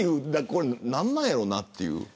これ、何なんだろうなっていう。